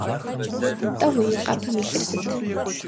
- Нтӏэ уи къэпым илъыр сыт?